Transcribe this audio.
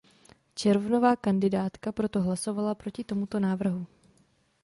Červnová kandidátka proto hlasovala proti tomuto návrhu.